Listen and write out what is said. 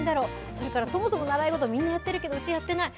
それからそもそも習い事、みんなやってるけど、うちやってない。